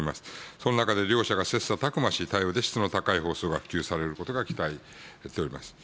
その中で両者が切さたく磨し、多様で質の高い放送が普及されることが期待されております。